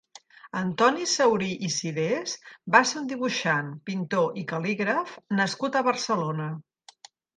Antoni Saurí i Sirés va ser un dibuixant, pintor i cal·lígraf nascut a Barcelona.